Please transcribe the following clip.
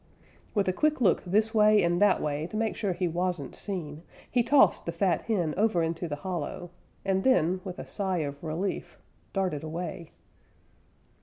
With a quick look this way and that way to make sure he wasn't seen, he tossed the fat hen over into the hollow and then, with a sigh of relief, darted away.